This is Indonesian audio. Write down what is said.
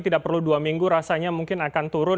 tidak perlu dua minggu rasanya mungkin akan turun